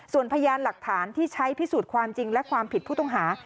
ส่วนพยานหลักฐานที่ใช้พิสูจน์ความจริงและความผิดผู้ต้องหา